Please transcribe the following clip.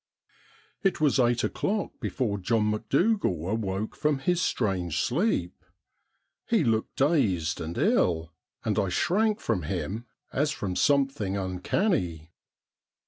It was eight o'clock before John Macdougal a^oke from his strange sleep. He looked dazed and ill, and I shrank from him as from something uncanny.